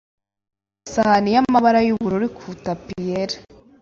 yasutse isahani yamabara yubururu kuri tapi yera.